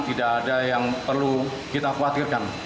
tidak ada yang perlu kita khawatirkan